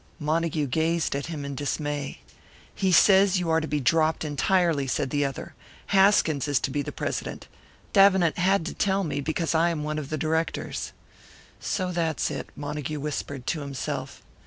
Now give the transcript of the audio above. Montague gazed at him in dismay. "He says you are to be dropped entirely," said the other. "Haskins is to be president. Davenant had to tell me, because I am one of the directors." "So that's it," Montague whispered to himself.